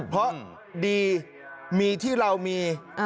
เพราะดีมีที่เรามี